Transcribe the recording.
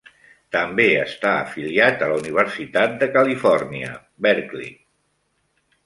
També està afiliat a la Universitat de Califòrnia, Berkeley.